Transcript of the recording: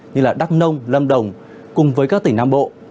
như đắk nông lâm đồng cùng với các tỉnh nam bộ